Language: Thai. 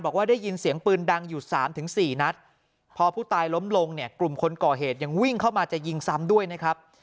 กลุ่มคนก่อเหตุยังวิ่งเข้ามาจะยิงซ้ำด้วยนะครับ